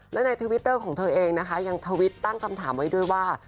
และในทวิตเตอร์ของเธอเองนะคะยังทวิตตั้งคำถามไว้ด้วยว่า